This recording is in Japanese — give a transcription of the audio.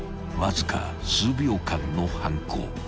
［わずか数秒間の犯行］